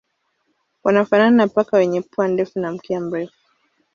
Wanafanana na paka wenye pua ndefu na mkia mrefu.